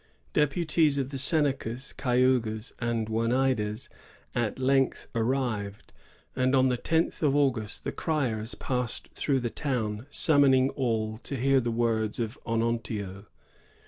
Deputies of the Senecas, Cayugas, and Oneidas at length arrived, and on the tenth of August the criers passed through the town, summoning all to hear the words of Onontio.